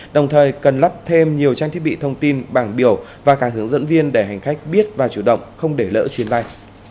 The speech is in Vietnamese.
đồng thời cần lắp thêm nhiều trang thiết bị thông tin bảng biểu và cả hướng dẫn viên để hành khách biết và chủ động không để lỡ chuyến bay